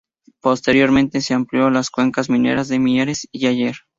Posteriormente se amplió a las cuencas mineras de Mieres y Aller.